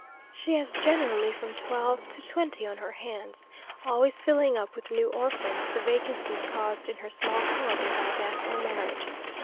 She has generally from twelve to twenty on her hands, always filling up with new orphans the vacancies caused in her small colony by death or marriage.